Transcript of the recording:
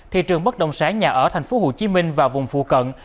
thị trường bất động sản nhà ở tp hcm và vùng phù cận